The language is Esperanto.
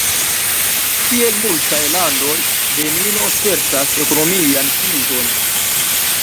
Kiel multaj landoj, Benino spertas ekonomian krizon.